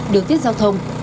đưa tiết giao thông